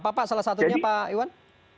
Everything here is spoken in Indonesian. bapak salah satunya pak iwan